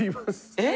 えっ？